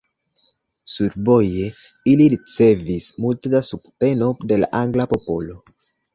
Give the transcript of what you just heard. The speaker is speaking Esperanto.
Sur voje ili ricevis multe da subteno de la angla popolo.